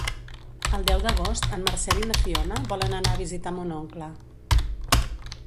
El deu d'agost en Marcel i na Fiona volen anar a visitar mon oncle.